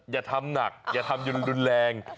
อย่าทำหนักอย่าทำจนรุนแรง